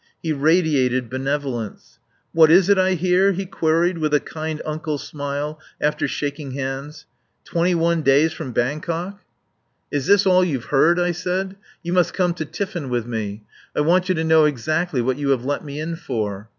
He radiated benevolence. "What is it I hear?" he queried with a "kind uncle" smile, after shaking hands. "Twenty one days from Bangkok?" "Is this all you've heard?" I said. "You must come to tiffin with me. I want you to know exactly what you have let me in for."